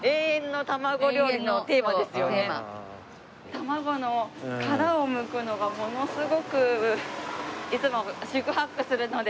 卵の殻をむくのがものすごくいつも四苦八苦するので。